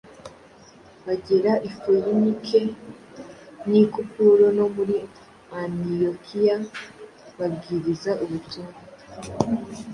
bagera i Foyinike n’i Kupuro no muri Antiyokiya babwiriza ubutumwa ».